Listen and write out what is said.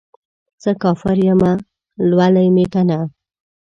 څه کافر یمه ، لولی مې کنه